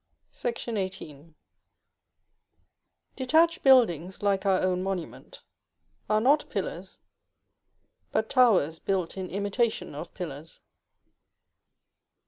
§ XVIII. Detached buildings, like our own Monument, are not pillars, but towers built in imitation of Pillars.